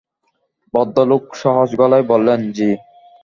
ভদ্রলোক সহজ গলায় বললেন, জ্বি।